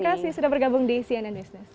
terima kasih sudah bergabung di cnn business